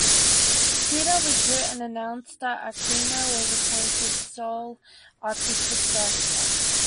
Theatre with Grit and announced that Aquino was appointed sole artistic director.